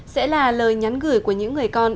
sẽ là lời nhắn gửi của những người con